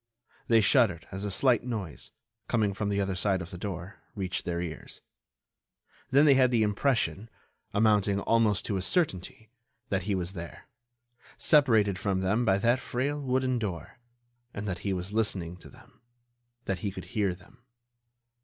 They shuddered as a slight noise, coming from the other side of the door, reached their ears. Then they had the impression, amounting almost to a certainty, that he was there, separated from them by that frail wooden door, and that he was listening to them, that he could hear them.